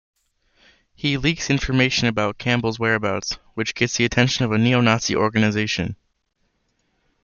He leaks information about Campbell's whereabouts, which gets the attention of a neo-Nazi organization.